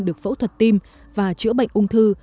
được phẫu thuật tim và chữa bệnh ung thư